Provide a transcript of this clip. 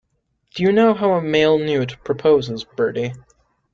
Do you know how a male newt proposes, Bertie?